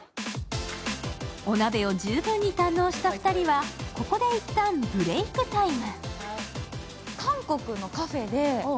お鍋を十分に堪能した２人はここで一旦ブレークタイム。